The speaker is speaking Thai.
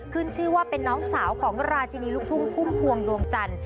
ขึ้นชื่อว่าเป็นน้องสาวของราชินีลูกทุ่งพุ่มพวงดวงจันทร์